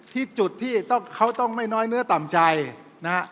ที่จุดที่เขาต้องไม่น้อยเนื้อต่ำใจนะฮะ